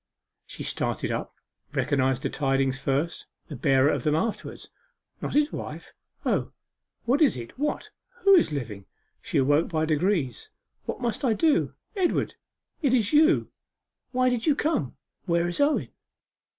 She started up, recognized the tidings first, the bearer of them afterwards. 'Not his wife? O, what is it what who is living?' She awoke by degrees. 'What must I do? Edward, it is you! Why did you come? Where is Owen?